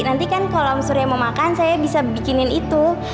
nanti kan kalau surya mau makan saya bisa bikinin itu